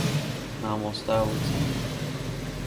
مامۆستا وتی.